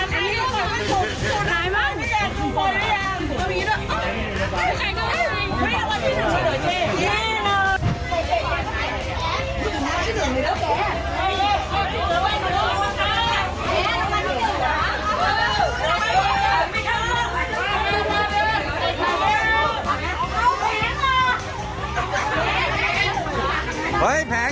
ถ่ายมั้ง